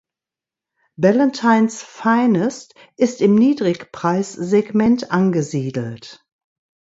Ballantine’s Finest ist im Niedrigpreissegment angesiedelt.